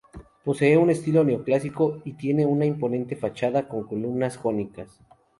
Posee un estilo neoclásico, y tiene una imponente fachada con columnas jónicas.